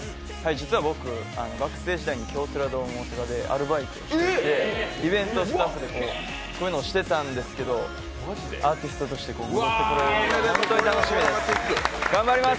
実は僕、学生時代に京セラドーム大阪でアルバイトをしていて、イベントスタッフでこういうのをしていたんですけどアーティストとしてここに戻ること本当に楽しみにしています。